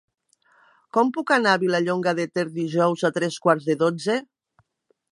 Com puc anar a Vilallonga de Ter dijous a tres quarts de dotze?